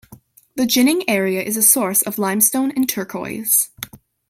The Jining area is a source of limestone and turquoise.